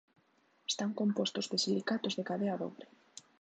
Están compostos de silicatos de cadea dobre.